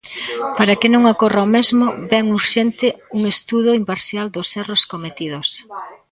Para que non ocorra o mesmo ven urxente un estudo imparcial dos erros cometidos.